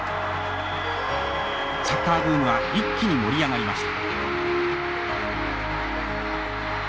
サッカーブームは一気に盛り上がりました。